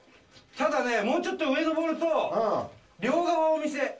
ただねもうちょっと上に上ると両側お店。